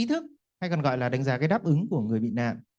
ý thức hay còn gọi là đánh giá cái đáp ứng của người bị nạn